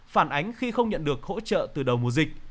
phản ánh khi không nhận được hỗ trợ từ đầu mùa dịch